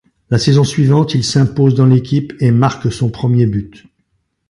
La saison suivante, il s'impose dans l'équipe et marque son premier but.